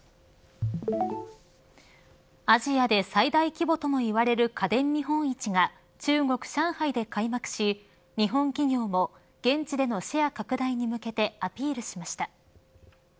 アジアで最大規模ともいわれる家電見本市が中国、上海で開幕し日本企業も現地でのシェア拡大に向けてアピールしました。